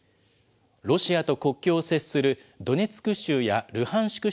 ロシアと国境を接するドネツク州やルハンシク